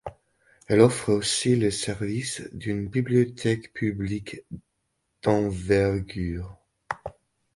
Elle offre aussi les services d’une bibliothèque publique d’envergure.